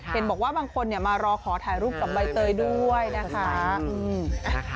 เห็นบอกว่าบางคนมารอขอถ่ายรูปกับใบเตยด้วยนะคะ